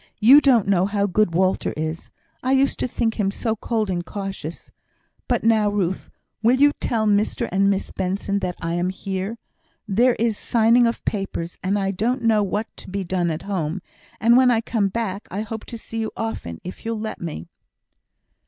You don't know how good Walter is. I used to think him so cold and cautious. But now, Ruth, will you tell Mr and Miss Benson that I am here? There is signing of papers, and I don't know what to be done at home. And when I come back, I hope to see you often, if you'll let me."